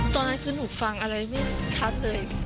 ตอนนั้นคือหนูฟังอะไรไม่ชัดเลย